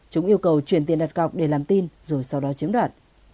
chúng yêu cầu chuyển tiền đặt cọc để làm tin rồi sau đó chiếm đoạt